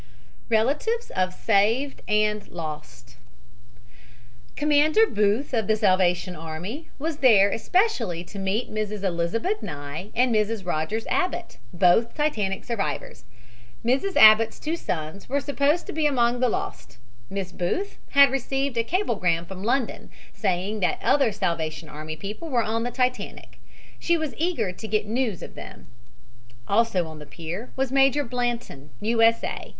RELATIVES OF SAVED AND LOST Commander Booth, of the Salvation Army, was there especially to meet Mrs. Elizabeth Nye and Mrs. Rogers Abbott, both Titanic survivors. Mrs. Abbott's two sons were supposed to be among the lost. Miss Booth had received a cablegram from London saying that other Salvation Army people were on the Titanic. She was eager to get news of them. Also on the pier was Major Blanton, U. S. A.